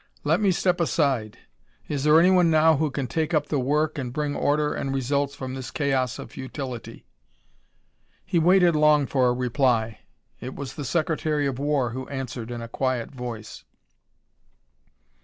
Let me step aside. Is there anyone now who can take up the work and bring order and results from this chaos of futility?" He waited long for a reply. It was the Secretary of War who answered in a quiet voice.